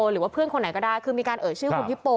หรือว่าเพื่อนคนไหนก็ได้คือมีการเอ่ยชื่อคุณฮิปโป